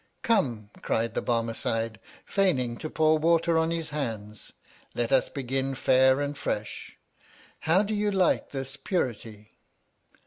Come ! cried the Barme cide, feigning to pour water on his hands, let us begin fair and fresh. Ho\v do you like this purity